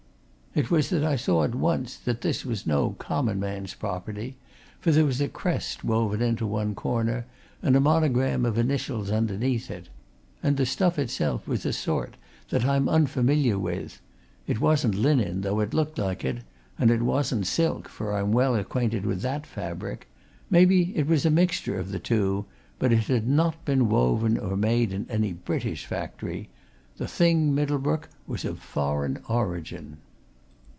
It was that I saw at once that this was no common man's property, for there was a crest woven into one corner, and a monogram of initials underneath it, and the stuff itself was a sort that I'm unfamiliar with it wasn't linen, though it looked like it, and it wasn't silk, for I'm well acquainted with that fabric maybe it was a mixture of the two, but it had not been woven or made in any British factory: the thing, Middlebrook, was of foreign origin."